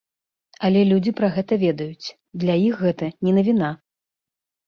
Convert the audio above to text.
Але людзі пра гэта ведаюць, для іх гэта не навіна.